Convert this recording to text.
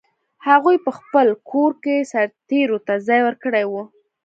هغوی په خپل کور کې سرتېرو ته ځای ورکړی و.